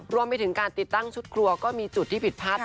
รวมไปถึงการติดตั้งชุดครัวก็มีจุดที่ผิดพลาด